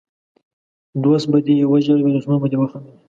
دوست به دې وژړوي او دښمن به دي وخندوي!